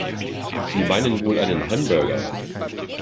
Sie meinen wohl einen Hamburger?